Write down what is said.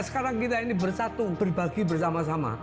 sekarang kita ini bersatu berbagi bersama sama